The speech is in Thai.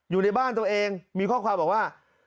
อยู่ในบ้านตัวเองมีข้อความบอกว่า